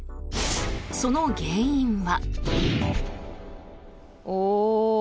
その原因は。